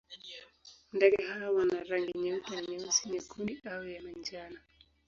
Ndege hawa wana rangi nyeupe na nyeusi, nyekundu au ya manjano.